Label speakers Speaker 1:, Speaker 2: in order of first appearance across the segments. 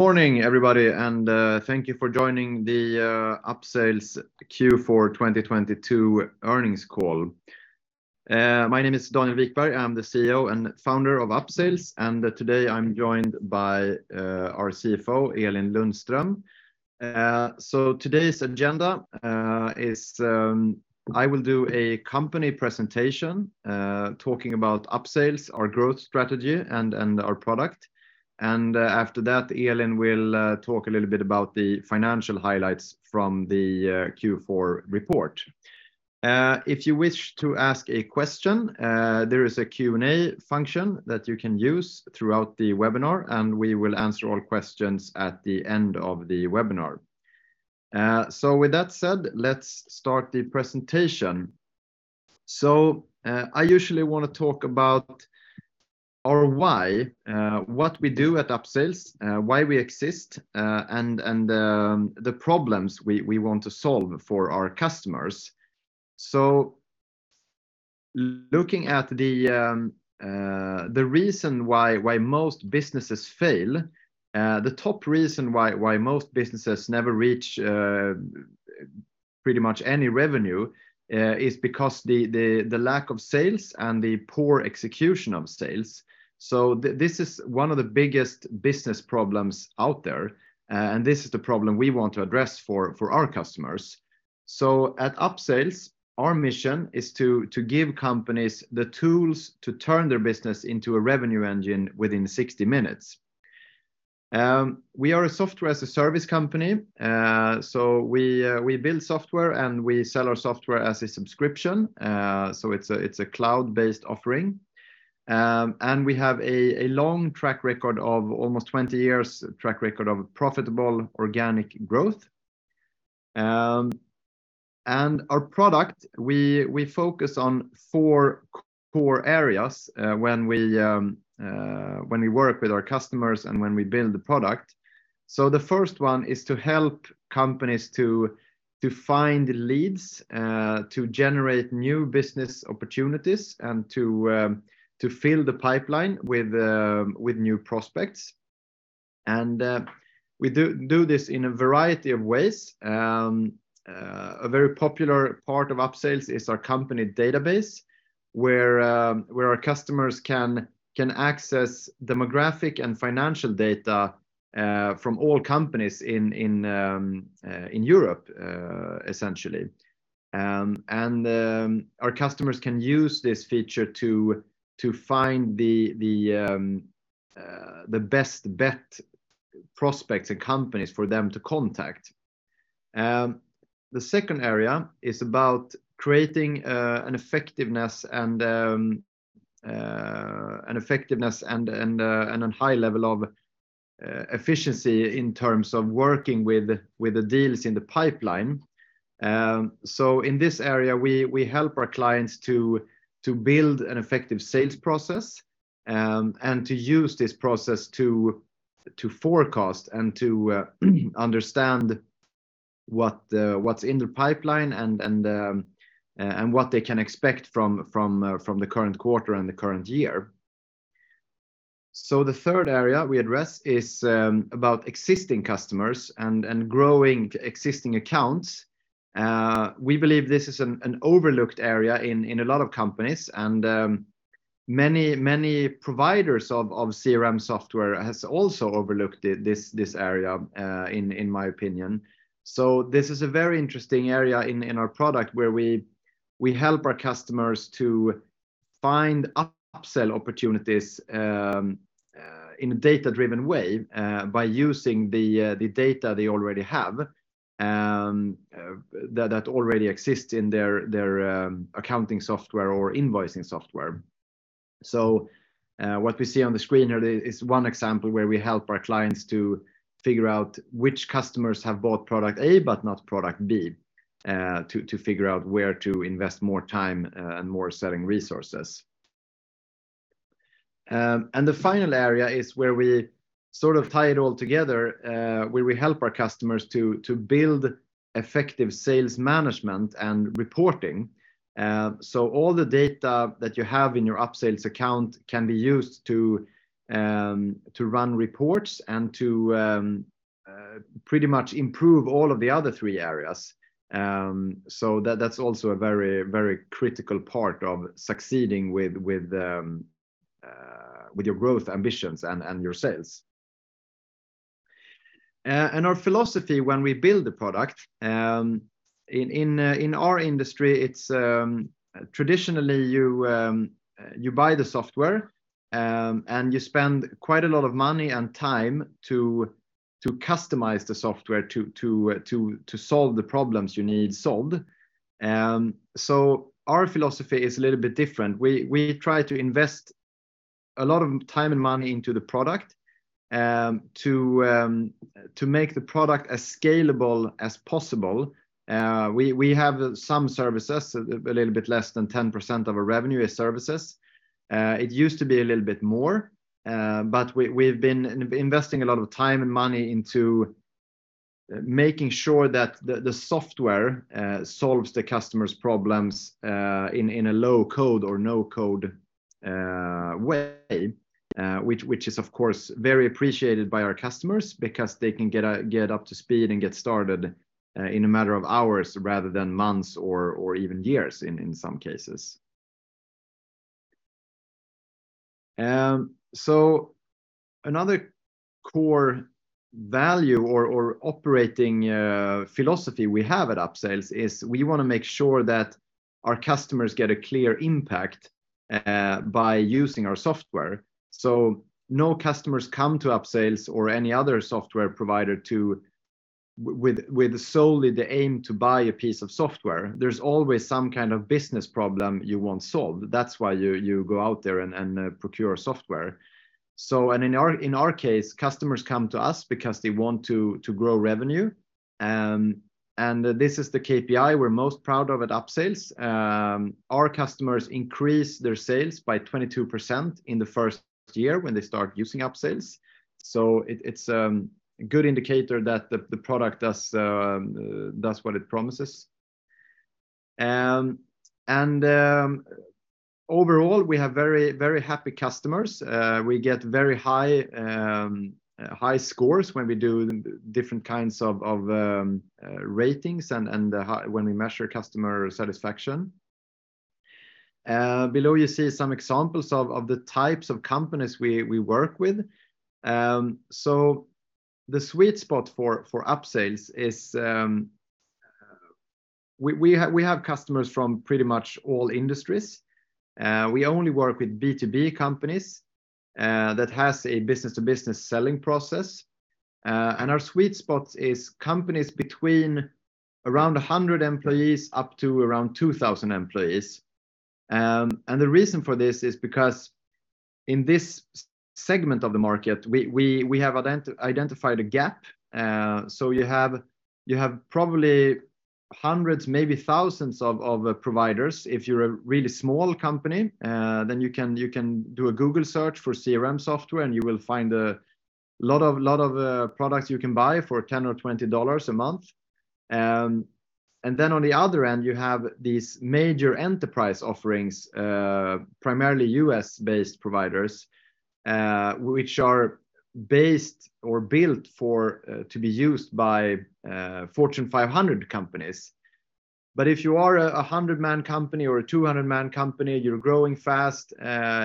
Speaker 1: Morning, everybody, and thank you for joining the Upsales Q4 2022 earnings call. My name is Daniel Wikberg. I'm the CEO and founder of Upsales, and today I'm joined by our CFO, Elin Lundström. Today's agenda is I will do a company presentation, talking about Upsales, our growth strategy, and our product. After that, Elin will talk a little bit about the financial highlights from the Q4 report. If you wish to ask a question, there is a Q&A function that you can use throughout the webinar, and we will answer all questions at the end of the webinar. With that said, let's start the presentation. I usually wanna talk about our why, what we do at Upsales, why we exist, and the problems we want to solve for our customers. Looking at the reason why most businesses fail, the top reason why most businesses never reach pretty much any revenue, is because the lack of sales and the poor execution of sales. This is one of the biggest business problems out there, and this is the problem we want to address for our customers. At Upsales, our mission is to give companies the tools to turn their business into a revenue engine within 60 minutes. We are a software as a service company, we build software, and we sell our software as a subscription. It's a cloud-based offering. We have a long track record of almost 20 years track record of profitable organic growth. Our product, we focus on four core areas when we work with our customers and when we build the product. The first one is to help companies to find leads, to generate new business opportunities, and to fill the pipeline with new prospects. We do this in a variety of ways. A very popular part of Upsales is our company database, where our customers can access demographic and financial data from all companies in Europe, essentially. Our customers can use this feature to find the best bet prospects and companies for them to contact. The second area is about creating an effectiveness and a high level of efficiency in terms of working with the deals in the pipeline. In this area, we help our clients to build an effective sales process, and to use this process to forecast and to understand what's in their pipeline and what they can expect from the current quarter and the current year. The third area we address is about existing customers and growing existing accounts. We believe this is an overlooked area in a lot of companies, and many providers of CRM software has also overlooked this area in my opinion. This is a very interesting area in our product where we help our customers to find up-sell opportunities in a data-driven way by using the data they already have that already exists in their accounting software or invoicing software. What we see on the screen here today is one example where we help our clients to figure out which customers have bought product A but not product B to figure out where to invest more time and more selling resources. The final area is where we sort of tie it all together, where we help our customers to build effective sales management and reporting. All the data that you have in your Upsales account can be used to run reports and to, pretty much improve all of the other three areas. That, that's also a very, very critical part of succeeding with your growth ambitions and your sales. Our philosophy when we build the product, in our industry, it's, traditionally, you buy the software, and you spend quite a lot of money and time to customize the software to solve the problems you need solved. Our philosophy is a little bit different. We try to invest a lot of time and money into the product, to make the product as scalable as possible. We have some services, a little bit less than 10% of our revenue is services. It used to be a little bit more, but we've been investing a lot of time and money into making sure that the software solves the customers' problems in a low code or no code way, which is of course very appreciated by our customers because they can get up to speed and get started in a matter of hours rather than months or even years in some cases. Another core value or operating philosophy we have at Upsales is we wanna make sure that our customers get a clear impact by using our software. No customers come to Upsales or any other software provider to with solely the aim to buy a piece of software. There's always some kind of business problem you want solved. That's why you go out there and procure software. In our case, customers come to us because they want to grow revenue, and this is the KPI we're most proud of at Upsales. Our customers increase their sales by 22% in the first year when they start using Upsales, it's a good indicator that the product does what it promises. Overall we have very, very happy customers. We get very high high scores when we do different kinds of ratings and when we measure customer satisfaction. Below you see some examples of the types of companies we work with. The sweet spot for Upsales is we have customers from pretty much all industries. We only work with B2B companies that has a business to business selling process. Our sweet spot is companies between around 100 employees up to around 2,000 employees. The reason for this is because in this segment of the market, we have identified a gap. You have probably hundreds, maybe thousands of providers. If you're a really small company, then you can do a Google search for CRM software. You will find a lot of products you can buy for $10 or $20 a month. Then on the other end, you have these major enterprise offerings, primarily U.S. based providers, which are based or built for to be used by Fortune 500 companies. If you are a 100-man company or a 200-man company, you're growing fast,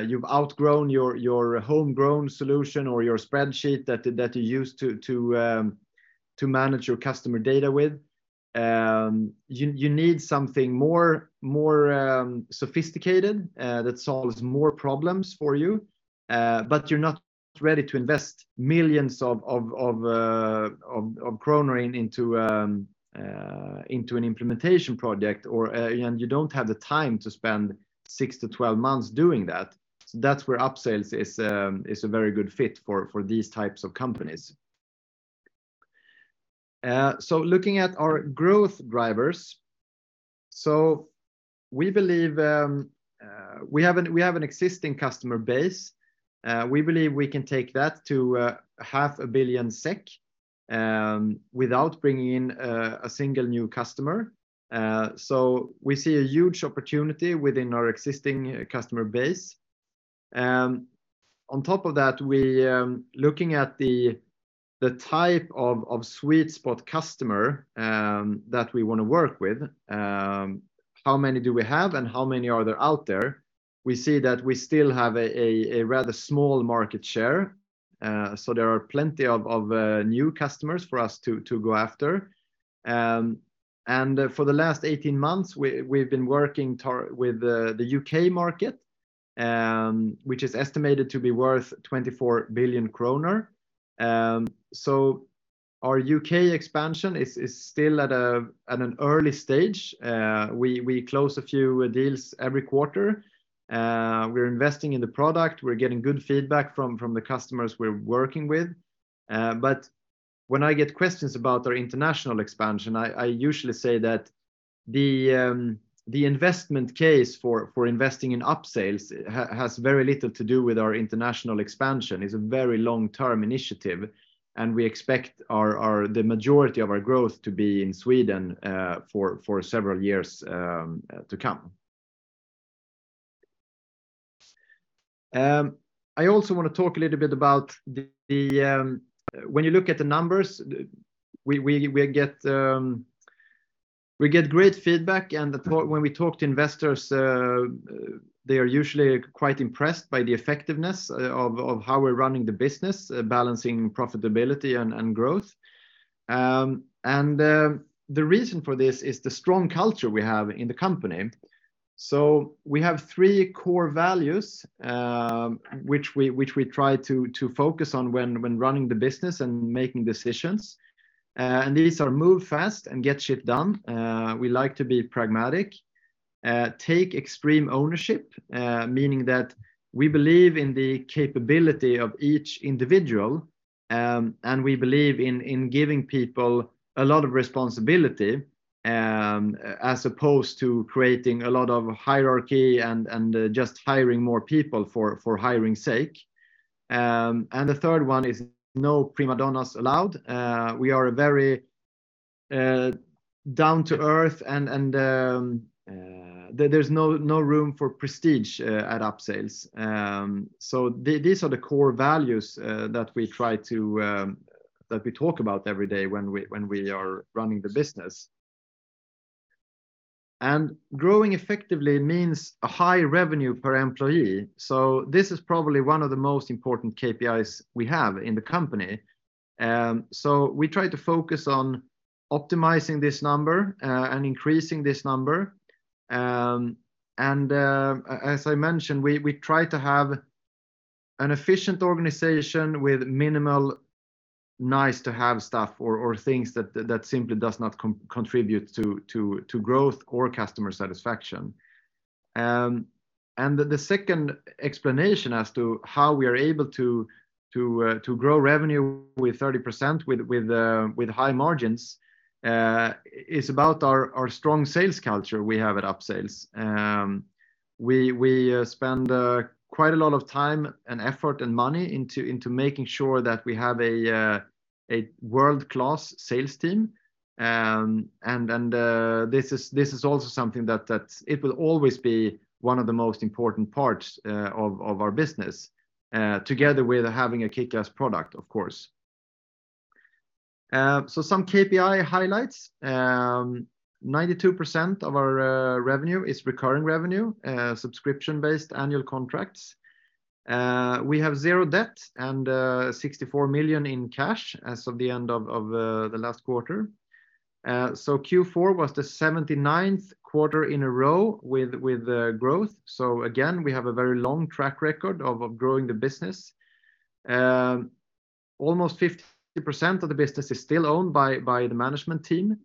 Speaker 1: you've outgrown your homegrown solution or your spreadsheet that you used to manage your customer data with, you need something more sophisticated that solves more problems for you. You're not ready to invest millions of SEK into an implementation project and you don't have the time to spend six to 12 months doing that. That's where Upsales is a very good fit for these types of companies. Looking at our growth drivers. We believe we have an existing customer base. We believe we can take that to half a billion SEK without bringing in a single new customer. We see a huge opportunity within our existing customer base. On top of that, we looking at the type of sweet spot customer that we wanna work with, how many do we have and how many are there out there? We see that we still have a rather small market share. There are plenty of new customers for us to go after. For the last 18 months, we've been working with the U.K market, which is estimated to be worth 24 billion kronor. Our U.K expansion is still at an early stage. We close a few deals every quarter. We're investing in the product. We're getting good feedback from the customers we're working with. When I get questions about our international expansion, I usually say that the investment case for investing in Upsales has very little to do with our international expansion. It's a very long-term initiative. We expect our, the majority of our growth to be in Sweden, for several years to come. I also wanna talk a little bit. When you look at the numbers, we get great feedback. When we talk to investors, they are usually quite impressed by the effectiveness of how we're running the business, balancing profitability and growth. The reason for this is the strong culture we have in the company. We have three core values, which we try to focus on when running the business and making decisions. These are move fast and get the job done. We like to be pragmatic. Take extreme ownership, meaning that we believe in the capability of each individual, and we believe in giving people a lot of responsibility. As opposed to creating a lot of hierarchy and just hiring more people for hiring's sake. The third one is no prima donnas allowed. We are very down to earth and, there's no room for prestige at Upsales. These are the core values that we try to, that we talk about every day when we are running the business. Growing effectively means a high revenue per employee. This is probably one of the most important KPIs we have in the company. We try to focus on optimizing this number and increasing this number. As I mentioned, we try to have an efficient organization with minimal nice-to-have stuff or things that simply does not contribute to growth or customer satisfaction. The second explanation as to how we are able to grow revenue with 30% with high margins is about our strong sales culture we have at Upsales. We spend quite a lot of time and effort and money into making sure that we have a world-class sales team. This is also something that it will always be one of the most important parts of our business together with having a kickass product, of course. Some KPI highlights. 92% of our revenue is recurring revenue, subscription-based annual contracts. We have zero debt and 64 million in cash as of the end of the last quarter. Q4 was the 79th quarter in a row with growth. Again, we have a very long track record of growing the business. Almost 50% of the business is still owned by the management team.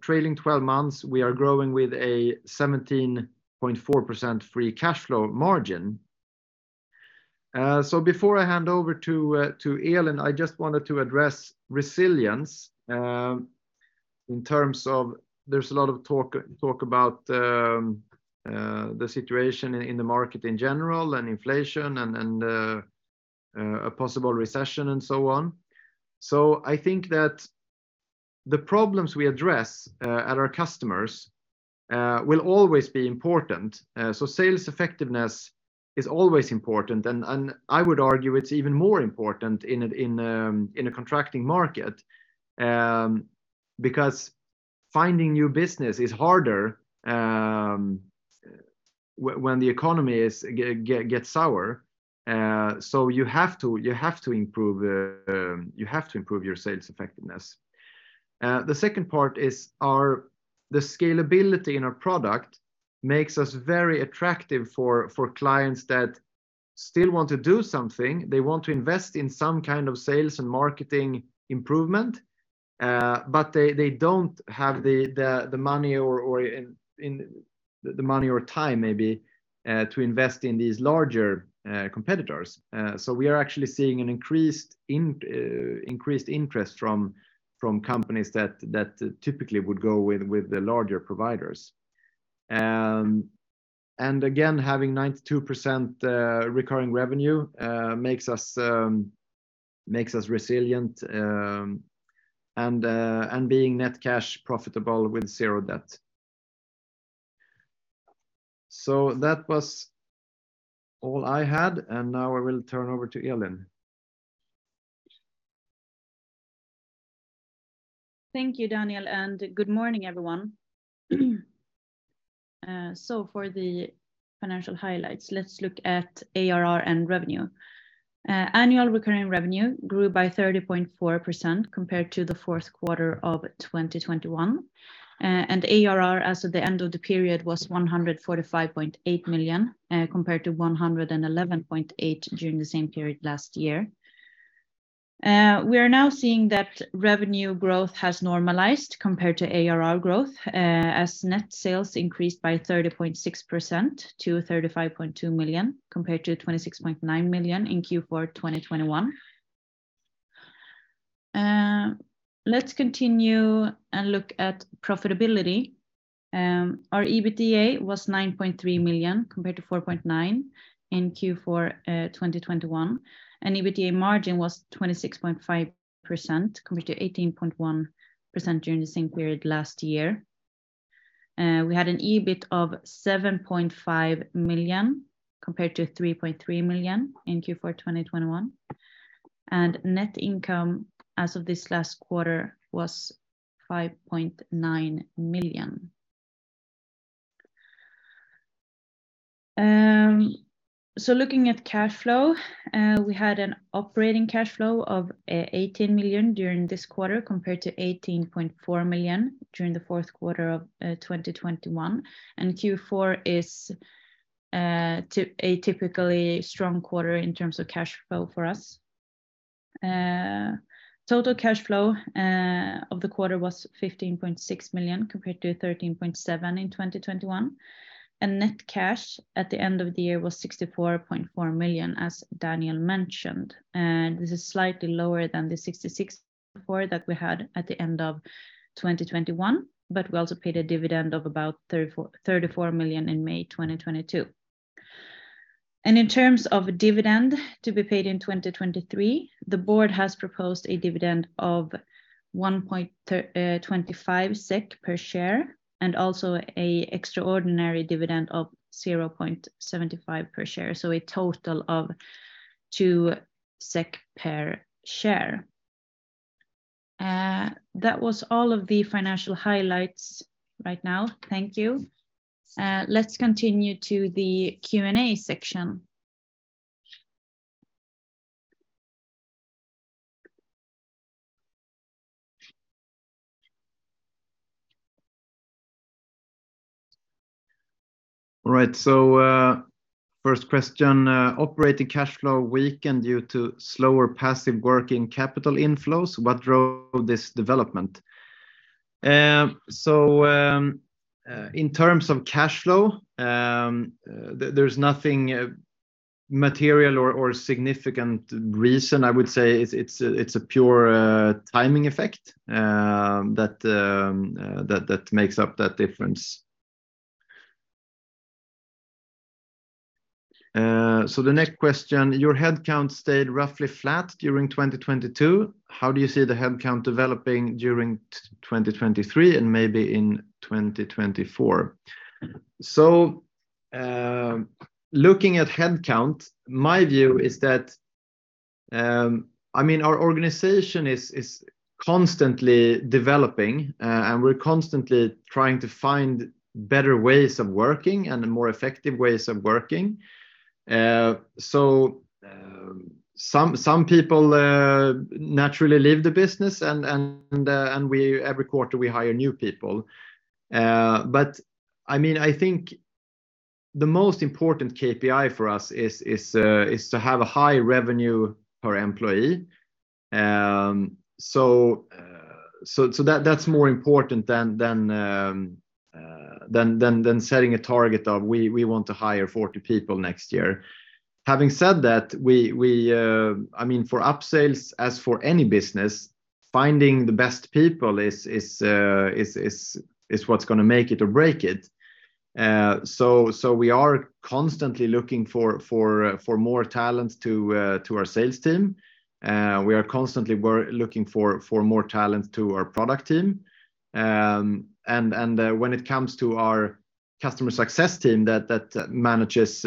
Speaker 1: Trailing 12 months, we are growing with a 17.4% free cash flow margin. Before I hand over to Elin, I just wanted to address resilience in terms of there's a lot of talk about the situation in the market in general and inflation and a possible recession and so on. I think that the problems we address at our customers will always be important. Sales effectiveness is always important. I would argue it's even more important in a contracting market, because finding new business is harder, when the economy gets sour. You have to improve your sales effectiveness. The second part is the scalability in our product makes us very attractive for clients that still want to do something. They want to invest in some kind of sales and marketing improvement, but they don't have the money or time maybe, to invest in these larger competitors. We are actually seeing an increased interest from companies that typically would go with the larger providers. Again, having 92% recurring revenue makes us resilient and being net cash profitable with 0 debt. That was all I had, and now I will turn over to Elin.
Speaker 2: Thank you, Daniel. Good morning, everyone. For the financial highlights, let's look at ARR and revenue. Annual recurring revenue grew by 30.4% compared to the fourth quarter of 2021. ARR as of the end of the period was 145.8 million compared to 111.8 million during the same period last year. We are now seeing that revenue growth has normalized compared to ARR growth, as net sales increased by 30.6% to 35.2 million, compared to 26.9 million in Q4 2021. Let's continue and look at profitability. Our EBITDA was 9.3 million compared to 4.9 million in Q4 2021. EBITDA margin was 26.5% compared to 18.1% during the same period last year. We had an EBIT of 7.5 million compared to 3.3 million in Q4 2021. Net income as of this last quarter was 5.9 million. So looking at cash flow, we had an operating cash flow of 18 million during this quarter compared to 18.4 million during the fourth quarter of 2021. Q4 is a typically strong quarter in terms of cash flow for us. Total cash flow of the quarter was 15.6 million compared to 13.7 million in 2021. Net cash at the end of the year was 64.4 million, as Daniel mentioned. This is slightly lower than the 66 that we had at the end of 2021, but we also paid a dividend of about 34 million in May 2022. In terms of dividend to be paid in 2023, the board has proposed a dividend of 1.25 SEK per share, and also an extraordinary dividend of 0.75 SEK per share. A total of 2 SEK per share. That was all of the financial highlights right now. Thank you. Let's continue to the Q&A section.
Speaker 1: All right, first question, operating cash flow weakened due to slower passive working capital inflows. What drove this development? In terms of cash flow, there's nothing material or significant reason I would say. It's a pure timing effect that makes up that difference. The next question, your headcount stayed roughly flat during 2022. How do you see the headcount developing during 2023 and maybe in 2024? Looking at headcount, my view is that, I mean our organization is constantly developing, and we're constantly trying to find better ways of working and more effective ways of working. Some people naturally leave the business and every quarter we hire new people. I mean, I think the most important KPI for us is to have a high revenue per employee. That's more important than setting a target of we want to hire 40 people next year. Having said that, we, I mean for Upsales as for any business, finding the best people is what's gonna make it or break it. We are constantly looking for more talent to our sales team. We are constantly looking for more talent to our product team. When it comes to our customer success team that manages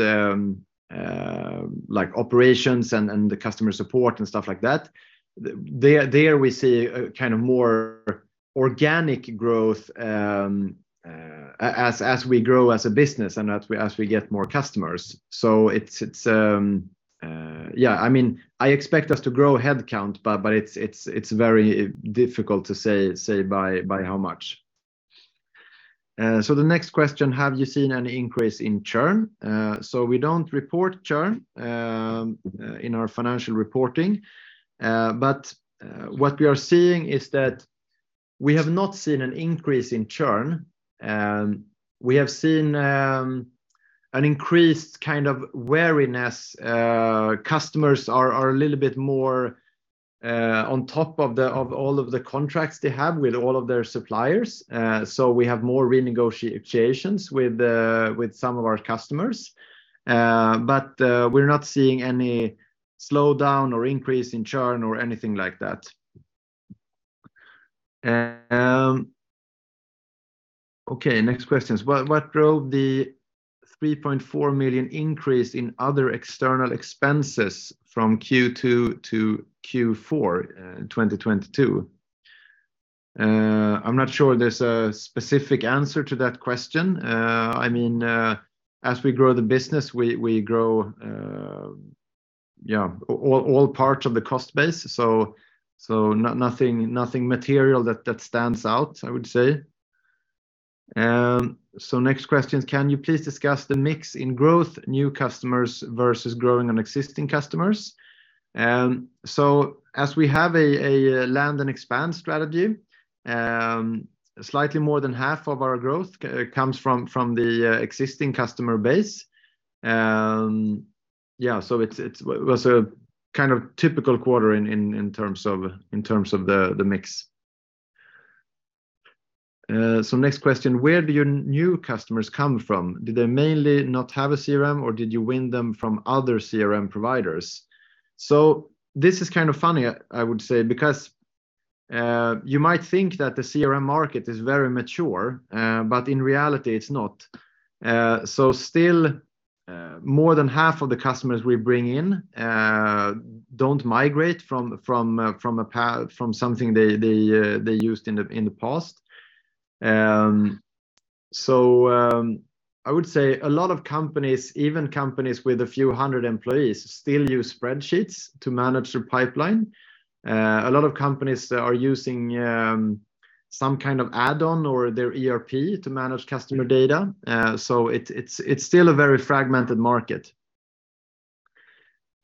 Speaker 1: like operations and customer support and stuff like that, there we see a kind of more organic growth as we grow as a business and as we get more customers. It's, yeah, I mean, I expect us to grow headcount, but it's very difficult to say by how much. The next question, have you seen any increase in churn? We don't report churn in our financial reporting. What we are seeing is that we have not seen an increase in churn. We have seen an increased kind of wariness. Customers are a little bit more on top of all of the contracts they have with all of their suppliers. We have more renegotiations with some of our customers. We're not seeing any slowdown or increase in churn or anything like that. Okay, next question. What drove the 3.4 million increase in other external expenses from Q2 to Q4 in 2022? I'm not sure there's a specific answer to that question. I mean, as we grow the business, we grow all parts of the cost base. Nothing material that stands out, I would say. Next question, can you please discuss the mix in growth, new customers versus growing on existing customers? As we have a land and expand strategy, slightly more than half of our growth comes from the existing customer base. It was a kind of typical quarter in terms of the mix. Next question, where do your new customers come from? Do they mainly not have a CRM or did you win them from other CRM providers? This is kind of funny, I would say, because you might think that the CRM market is very mature, in reality it's not. Still, more than half of the customers we bring in don't migrate from something they used in the past. I would say a lot of companies, even companies with a few 100 employees still use spreadsheets to manage their pipeline. A lot of companies are using some kind of add-on or their ERP to manage customer data. It's still a very fragmented market.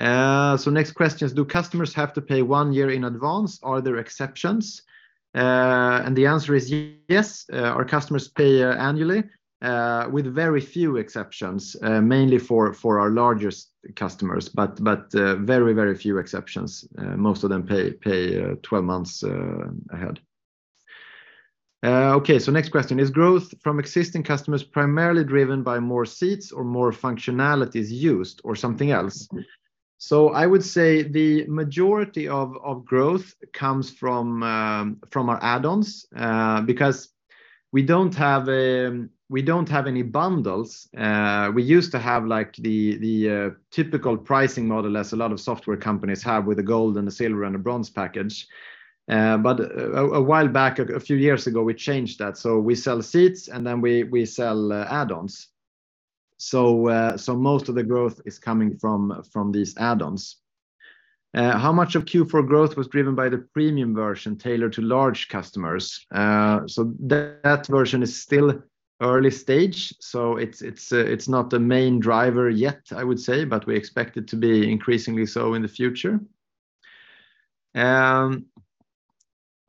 Speaker 1: Next question is, do customers have to pay one year in advance? Are there exceptions? The answer is yes. Our customers pay annually with very few exceptions, mainly for our largest customers, but very few exceptions. Most of them pay 12 months ahead. Next question: Is growth from existing customers primarily driven by more seats or more functionalities used or something else? I would say the majority of growth comes from our add-ons because we don't have any bundles. We used to have, like, the typical pricing model as a lot of software companies have with a gold and a silver and a bronze package. A while back, a few years ago, we changed that. We sell seats, and then we sell add-ons. Most of the growth is coming from these add-ons. How much of Q4 growth was driven by the premium version tailored to large customers? That version is still early stage, so it's not the main driver yet, I would say, but we expect it to be increasingly so in the future.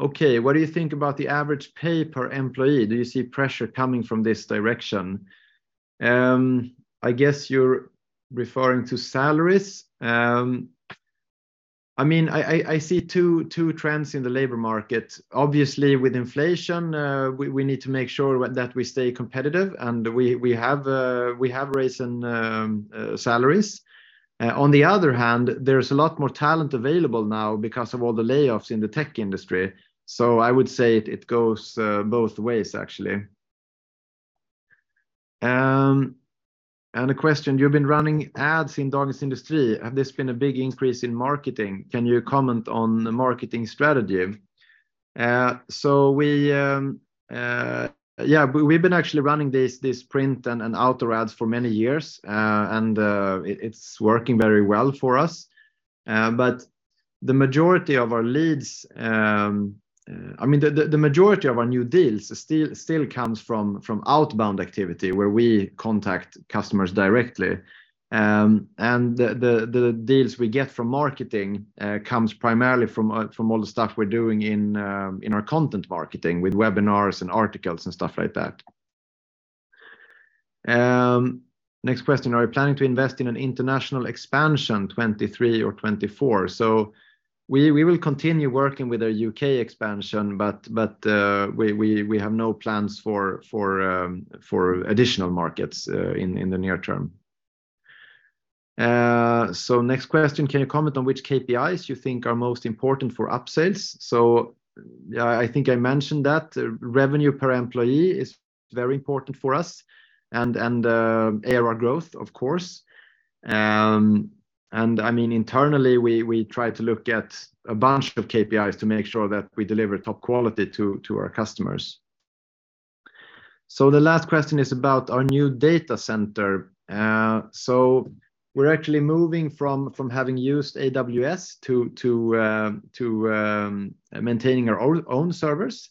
Speaker 1: Okay, what do you think about the average pay per employee? Do you see pressure coming from this direction? I guess you're referring to salaries. I mean, I see two trends in the labor market. Obviously, with inflation, we need to make sure that we stay competitive, and we have raised some salaries. On the other hand, there's a lot more talent available now because of all the layoffs in the tech industry. I would say it goes both ways, actually. A question, you've been running ads in Dagens industri. Have there been a big increase in marketing? Can you comment on the marketing strategy? We've been actually running this, these print and outdoor ads for many years, it's working very well for us. I mean, the majority of our new deals still comes from outbound activity, where we contact customers directly. The deals we get from marketing comes primarily from all the stuff we're doing in our content marketing with webinars and articles and stuff like that. Next question. Are you planning to invest in an international expansion 2023 or 2024? We will continue working with our U.K expansion, we have no plans for additional markets in the near term. Next question. Can you comment on which KPIs you think are most important for Upsales? Yeah, I think I mentioned that. Revenue per employee is very important for us and ARR growth, of course. I mean, internally, we try to look at a bunch of KPIs to make sure that we deliver top quality to our customers. The last question is about our new data center. We're actually moving from having used AWS to maintaining our own servers.